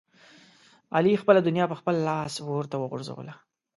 علي خپله دنیا په خپل لاس اورته وغورځوله.